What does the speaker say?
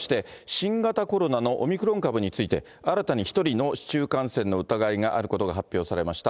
新型コロナのオミクロン株について、新たに１人の市中感染の疑いがあることが発表されました。